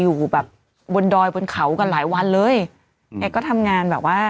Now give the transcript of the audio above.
อยู่แบบบนดอยบนเขากันหลายวันเลยแกก็ทำงานแบบว่า